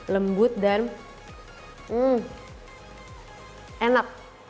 lembut dan enak